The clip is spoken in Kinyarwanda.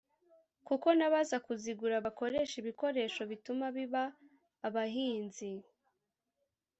kuko n’abaza kuzigura bakoresha ibikoresho bituma biba abahinzi